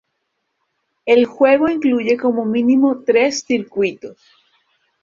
El juego incluye como mínimo tres circuitos.